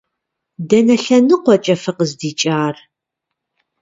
Дэнэ лъэныкъуэкӏэ фыкъыздикӏар?